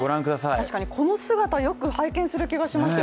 確かにこの姿、よく拝見する気がします。